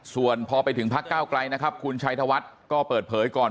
ส่วนพอไปถึงพักเก้าไกลนะครับคุณชัยธวัฒน์ก็เปิดเผยก่อน